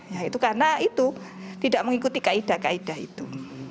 ya itu karena itu tidak mengikuti kaedah kaedah itu